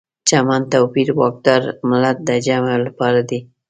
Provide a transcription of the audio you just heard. چمن، توپیر، واکدار، ملت د جمع لپاره دي.